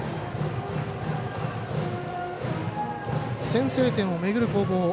先制点を巡る攻防。